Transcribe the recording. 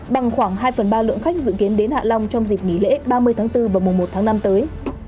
bằng khoảng hai phần ba lượng khách dự kiến đến hạ long trong dịp nghỉ lễ ba mươi bốn và một năm tới